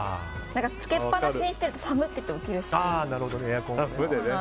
つけっぱなしにしてると寒って起きるし。